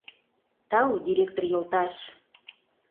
Тау, директор йолташ.